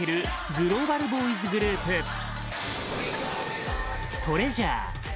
グローバルボーイズグループＴＲＥＡＳＵＲＥ